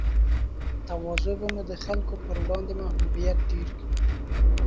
تواضع به مو د خلګو پر وړاندې محبوبیت ډېر کړي